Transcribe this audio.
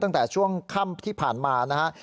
ตั้งแต่ช่วงค่ำที่ผ่านมานะฮะ